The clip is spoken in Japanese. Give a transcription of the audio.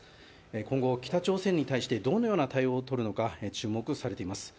今後、北朝鮮に対してどのような対応を取るのか注目されています。